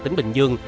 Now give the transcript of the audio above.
tỉnh bình dương